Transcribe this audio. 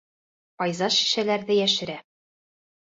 Файза шешәләрҙе йәшерә.